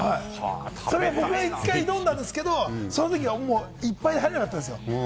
僕が１回挑んだんですけれども、いっぱいで入れなかったんですよ。